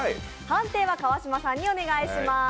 判定は川島さんにお願いします。